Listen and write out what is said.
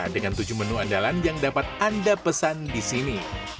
dengan tujuh menu andalan yang dapat anda pesan di sini